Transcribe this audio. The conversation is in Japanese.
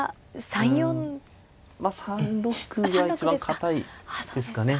まあ３六が一番堅いですかね。